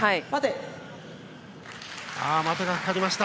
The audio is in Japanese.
待てがかかりました。